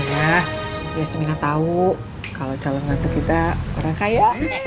ya yasmina tahu kalau calon ganteng kita orang kaya